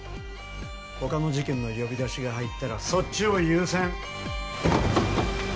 他の事件の呼び出しが入ったらそっちを優先ＯＫ